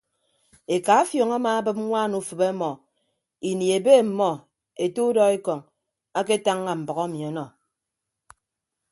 Eka afiọñ amaabịp ñwaan ufịp ọmọ ini ebe ọmmọ ete udọekọñ aketañña mbʌk emi ọnọ.